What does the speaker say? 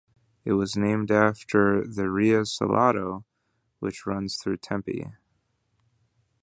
It was named after the Rio Salado, which runs through Tempe.